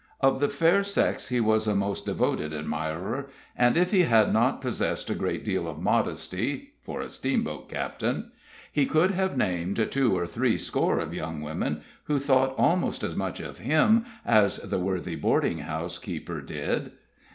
Of the fair sex he was a most devoted admirer, and if he had not possessed a great deal of modesty, for a steamboat captain, he could have named two or three score of young women who thought almost as much of him as the worthy boarding house keeper did.